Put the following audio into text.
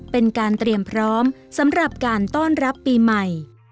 เป็นการเตรียมพร้อมสำหรับการต้อนรับปีใหม่